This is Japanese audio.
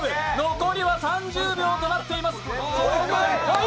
残りは３０秒となっています。